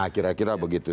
nah kira kira begitu